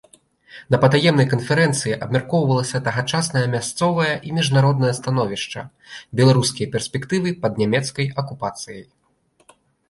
На патаемнай канферэнцыі абмяркоўвалася тагачаснае мясцовае і міжнароднае становішча, беларускія перспектывы пад нямецкай акупацыяй.